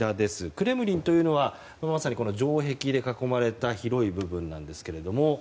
クレムリンというのはまさに城壁で囲まれた広い部分なんですけれども。